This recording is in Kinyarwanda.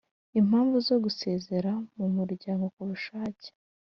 Impamvu zo gusezera mu muryango ku bushake